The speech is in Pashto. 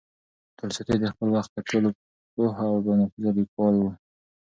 تولستوی د خپل وخت تر ټولو پوه او با نفوذه لیکوال و.